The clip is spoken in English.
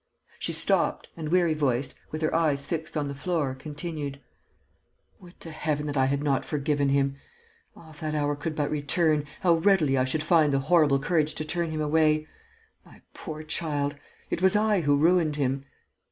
She stopped and, weary voiced, with her eyes fixed on the floor, continued: "Would to Heaven that I had not forgiven him! Ah, if that hour could but return, how readily I should find the horrible courage to turn him away! My poor child ... it was I who ruined him!..."